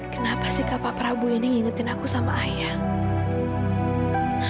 kenapa si kapa prabu ini ngingetin aku sama ayah